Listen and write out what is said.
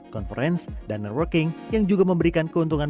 conference dan networking yang juga memberikan keuntungan